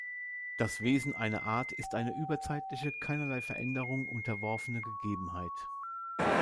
Das Wesen einer Art ist eine überzeitliche, keinerlei Veränderung unterworfene Gegebenheit.